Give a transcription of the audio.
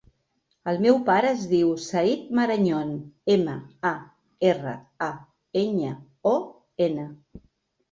El meu pare es diu Zayd Marañon: ema, a, erra, a, enya, o, ena.